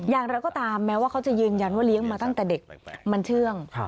อย่างไรก็ตามแม้ว่าเขาจะยืนยันว่าเลี้ยงมาตั้งแต่เด็กมันเชื่อง